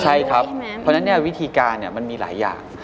ใช่ครับเพราะฉะนั้นวิธีการมันมีหลายอย่าง